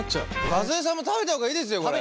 和江さんも食べた方がいいですよこれ。